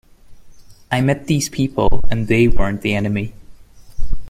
I met these people and they weren't the enemy.